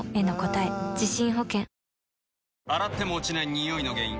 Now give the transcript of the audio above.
ニオイの原因